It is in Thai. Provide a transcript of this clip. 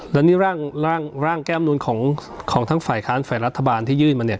แล้วนี่ร่างแก้มนุนของทั้งฝ่ายค้านฝ่ายรัฐบาลที่ยื่นมาเนี่ย